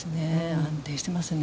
安定していますね。